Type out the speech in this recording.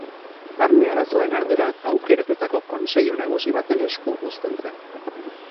Barne arazoen ardura aukeratutako kontseilu nagusi baten esku uzten zen.